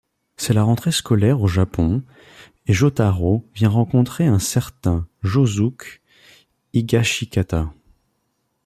C'est la rentrée scolaire au Japon et Jotaro vient rencontrer un certain Josuke Higashikata.